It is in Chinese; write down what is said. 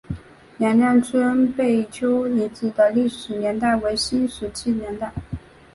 娘娘村贝丘遗址的历史年代为新石器时代。